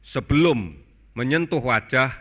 sebelum menyentuh wajah